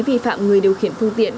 vi phạm người điều khiển phương tiện